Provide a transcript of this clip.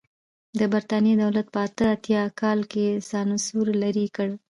د برېټانیا دولت په اته اتیا کال کې سانسور لرې کړ.